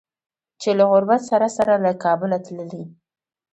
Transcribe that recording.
چې له غربت سره سره له کابله تللي